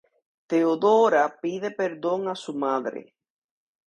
Teodora pide perdón a su madre.